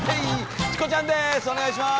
チコちゃんです！